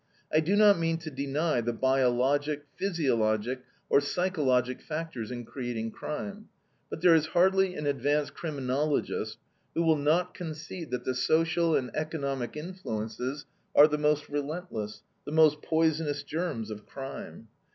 I do not mean to deny the biologic, physiologic, or psychologic factors in creating crime; but there is hardly an advanced criminologist who will not concede that the social and economic influences are the most relentless, the most poisonous germs of crime.